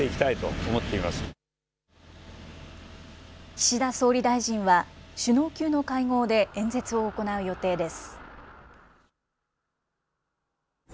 岸田総理大臣は、首脳級の会合で演説を行う予定です。